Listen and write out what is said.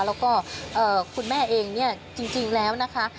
แล้วก็คุณแม่เองเนี่ยจริงแล้วนะคะ